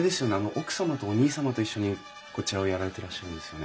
奥様とお兄様と一緒にこちらをやられてらっしゃるんですよね？